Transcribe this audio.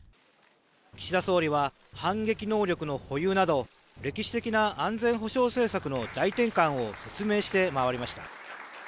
岸田総理は反撃能力の保有など歴史的な安全保障政策の大転換を説明して回りました。